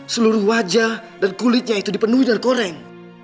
seluruh wajah dan kulitnya itu dipenuhi dan goreng